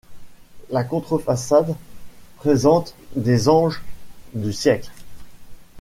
La contre-façade présente des anges du siècle.